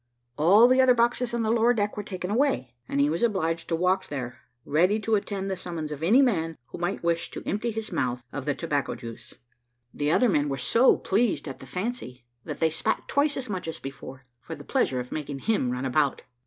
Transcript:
All the other boxes on the lower deck were taken away, and he was obliged to walk there, ready to attend the summons of any man who might wish to empty his mouth of the tobacco juice. The other men were so pleased at the fancy, that they spat twice as much as before, for the pleasure of making him run about.